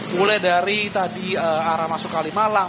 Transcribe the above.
mulai dari tadi arah masuk kalimalang